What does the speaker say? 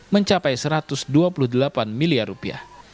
mencapai satu ratus dua puluh delapan miliar rupiah